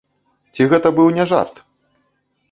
Ці гэта быў не жарт?